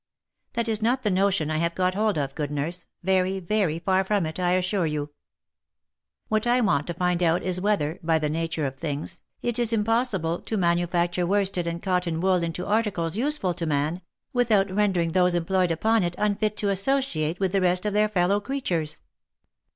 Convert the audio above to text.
That is not the notion I have got hold of, good nurse, very, very far from it, I assure you. What I want to find out is whether, by the nature of things, it is impossible to manufacture worsted and cotton wool into OF MICHAEL ARMSTRONG. 115 articles useful to man, without rendering those employed upon it unfit to associate with the rest of their fellow creatures